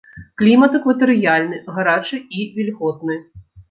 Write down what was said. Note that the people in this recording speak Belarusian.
Клімат экватарыяльны, гарачы і вільготны.